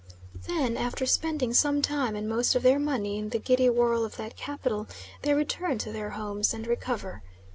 Then, after spending some time and most of their money in the giddy whirl of that capital, they return to their homes and recover.